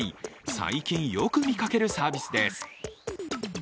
最近よく見かけるサービスです。